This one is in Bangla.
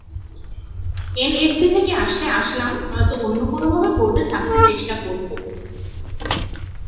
এনএসসি থেকে আসলে আসলাম, নয়তো অন্য কোনোভাবে বোর্ডে থাকতে চেষ্টা করব।